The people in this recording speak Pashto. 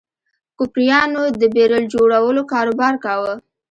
کوپریانو د بیرل جوړولو کاروبار کاوه.